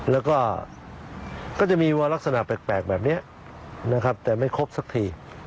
แล้วก็ก็จะมีวัวลักษณะแปลกแบบนี้นะครับแต่ไม่ครบสักที